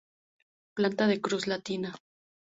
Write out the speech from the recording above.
Planta de cruz latina.